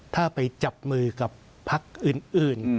ถ้าไปจับมือกับพักอื่น